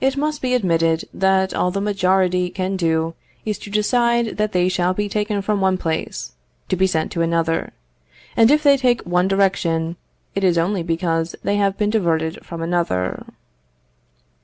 It must be admitted that all that the majority can do is to decide that they shall be taken from one place to be sent to another; and if they take one direction, it is only because they have been diverted from another.